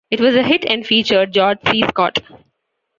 It was a hit and featured George C. Scott.